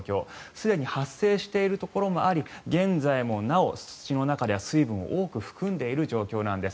すでに発生しているところもあり現在もなお土の中では水分を多く含んでいる状況なんです。